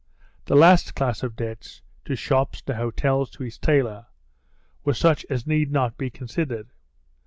The last class of debts—to shops, to hotels, to his tailor—were such as need not be considered.